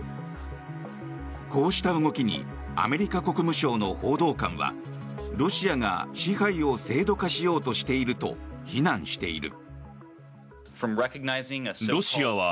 こうした動きにアメリカ国務省の報道官はロシアが支配を制度化しようとしていると非難している。